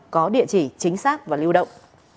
có địa chỉ chính xác và lưu động